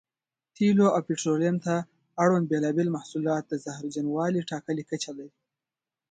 تېلو او پټرولیم ته اړوند بېلابېل محصولات د زهرجنوالي ټاکلې کچه لري.